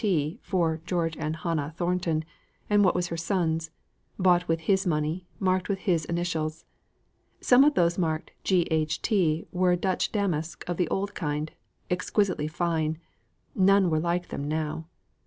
T. (for George and Hannah Thornton), and what was her son's bought with his money, marked with his initials. Some of those marked G. H. T. were Dutch damask of the old kind, exquisitely fine; none were like them now.